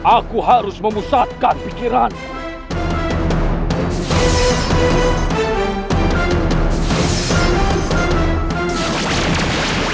aku harus memusatkan pikiranmu